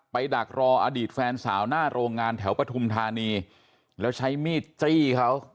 ดักรออดีตแฟนสาวหน้าโรงงานแถวปฐุมธานีแล้วใช้มีดจี้เขา